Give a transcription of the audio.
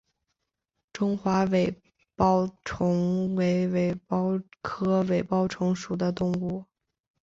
中华尾孢虫为尾孢科尾孢虫属的动物。